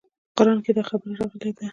په قران کښې دا خبره راغلې ده.